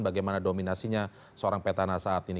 bagaimana dominasinya seorang petana saat ini